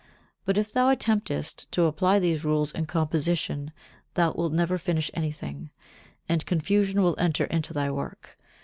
But if thou attemptest to apply these rules in composition thou wilt never finish anything, and confusion will enter into thy work.